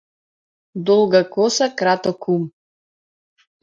Долга коса краток ум.